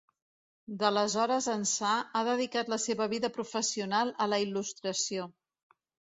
D'aleshores ençà, ha dedicat la seva vida professional a la il·lustració.